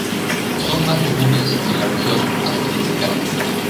Son más comunes en la región afrotropical.